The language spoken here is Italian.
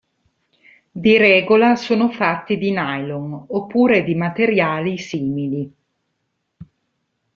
Di regola sono fatti di nylon oppure di materiali simili.